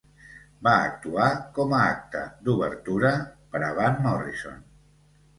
Va actuar, com a acte d'obertura, per a Van Morrison.